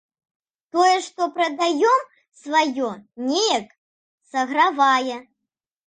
Тое, што прадаём сваё, неяк сагравае.